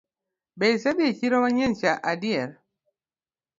Be isedhii e chiro manyien cha adier?